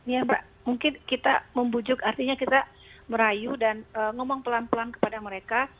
ya mbak mungkin kita membujuk artinya kita merayu dan ngomong pelan pelan kepada mereka